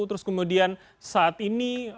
terus kemudian saat ini